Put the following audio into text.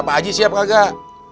pak haji siap gak